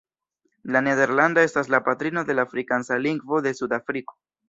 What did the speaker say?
La nederlanda estas la patrino de la afrikansa lingvo de Sud-Afriko.